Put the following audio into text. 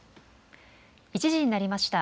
１時になりました。